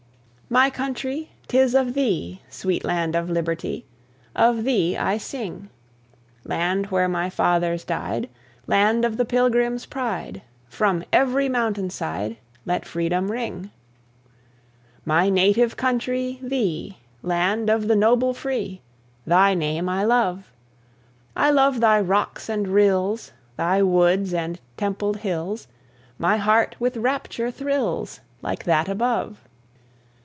My country, 'tis of thee, Sweet land of liberty, Of thee I sing; Land where my fathers died, Land of the Pilgrims' pride; From every mountain side, Let freedom ring. My native country, thee Land of the noble free Thy name I love; I love thy rocks and rills, Thy woods and templed hills; My heart with rapture thrills, Like that above.